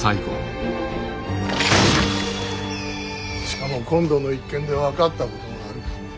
しかも今度の一件で分かったことがある。